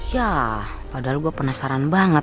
ya padahal gue penasaran banget